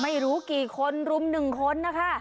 ไม่รู้กี่คนรุม๑คนนะคะ